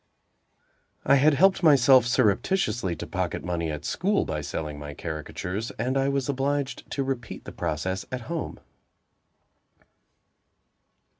I had helped myself surreptitiously to pocket money at school, by selling my caricatures, and I was obliged to repeat the process at home!